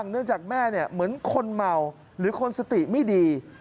เนื่องจากแม่เหมือนคนเมาหรือคนสติไม่ดี